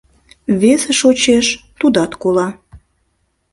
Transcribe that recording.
Весе шочеш — тудат кола.